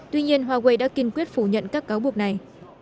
tuy nhiên huawei đã kiên quyết phủ nhận các cáo buộc này